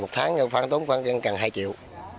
một tháng khoan tốn khoan gần hai triệu